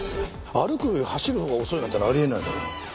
歩くより走るほうが遅いなんてのはあり得ないだろ。